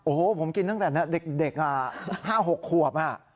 โอ้โหผมกินตั้งแต่เด็ก๕๖ขวบ